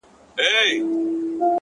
د موخې وضاحت د لارې نیمه اسانتیا ده،